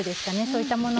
そういったもの。